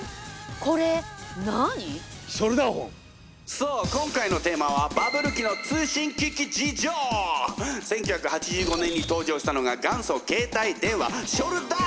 そう今回のテーマはバブル期の１９８５年に登場したのが元祖携帯電話ショルダーフォン！